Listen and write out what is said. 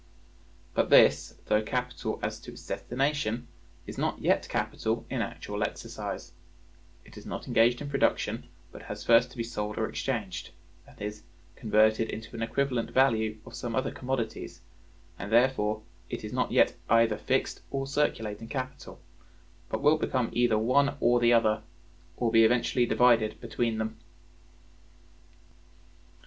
But this, though capital as to its destination, is not yet capital in actual exercise; it is not engaged in production, but has first to be sold or exchanged, that is, converted into an equivalent value of some other commodities, and therefore is not yet either fixed or circulating capital, but will become either one or the other, or be eventually divided between them.